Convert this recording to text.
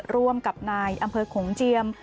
ร่วมกับนายอำเภอโขงเจียม